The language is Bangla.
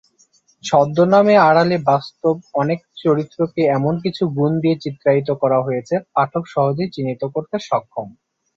ছদ্মনামে আড়ালে বাস্তব অনেক চরিত্রকে এমন কিছু গুণ দিয়ে চিত্রায়িত করা হয়েছে পাঠক সহজেই চিহ্নিত করতে সক্ষম।